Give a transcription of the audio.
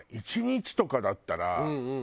１日とかだったら。